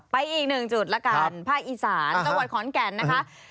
อีกหนึ่งจุดละกันภาคอีสานจังหวัดขอนแก่นนะคะ